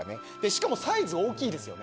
しかもサイズ大きいですよね。